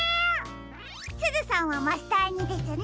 すずさんはマスターにですね。